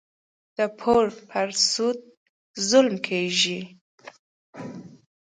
د پور پر سود ظلم کېږي.